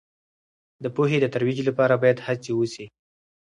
د پوهې د ترویج لپاره باید هڅې وسي.